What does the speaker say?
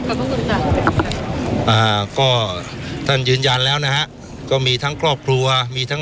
พระคุณค่ะอ่าก็ท่านยืนยันแล้วนะฮะก็มีทั้งครอบครัวมีทั้ง